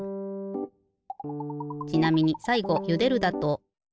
ちなみにさいごゆでるだと。